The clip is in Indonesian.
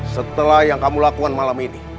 setelah yang kamu lakukan malam ini